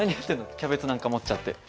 キャベツなんか持っちゃって。